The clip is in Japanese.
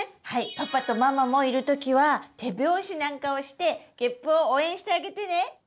パパとママもいる時は手拍子なんかをしてげっぷを応援してあげてね！